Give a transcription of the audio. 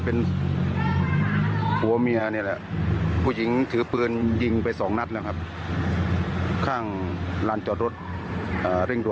อ๋ออ่านิดนึงตรงข้างมอเตอร์ไซไดอท์